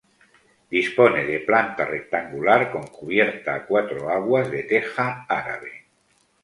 Dispone de planta rectangular con cubierta a cuatro aguas de teja árabe.